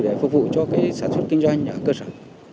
để phục vụ cho sản xuất kinh doanh ở cơ sở